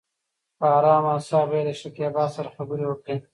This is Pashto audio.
په ارامه اصابو يې له شکيبا سره خبرې وکړې.